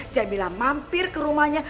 jamila mampir ke rumahnya